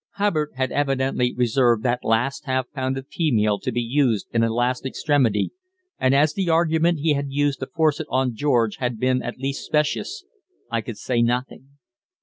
Hubbard had evidently reserved that last half pound of pea meal to be used in a last extremity, and as the argument he had used to force it on George had been at least specious, I could say nothing.